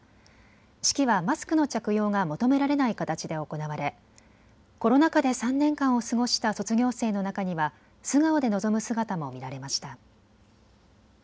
式はマスクの着用が求められない形で行われコロナ禍で３年間を過ごした卒業生の中には素顔で臨む姿も見られました。